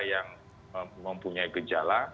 yang mempunyai gejala